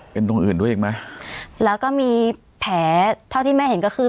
เป็นตรงอื่นด้วยอีกไหมแล้วก็มีแผลเท่าที่แม่เห็นก็คือ